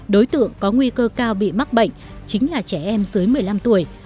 đối tượng có nguy cơ cao bị mắc bệnh chính là trẻ em dưới một mươi năm tuổi